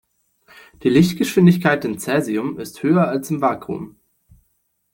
Die Lichtgeschwindigkeit in Cäsium ist höher als im Vakuum.